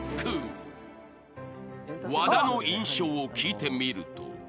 ［和田の印象を聞いてみると］